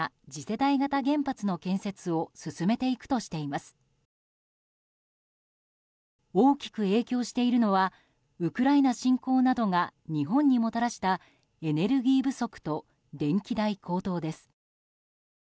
大きく影響しているのはウクライナ侵攻などが日本にもたらしたエネルギー不足と電気代高騰です。